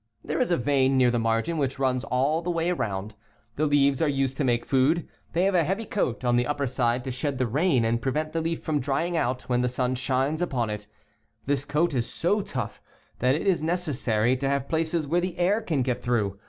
There is a vein near the margin which runs all the way around. The leaves are used to make food. They have a heavy coat on the \ipper side to shed the rain and prevent the leaf from drying out when the sun shines upon it This coat is so tough that it is necessary to have places where the air can get through.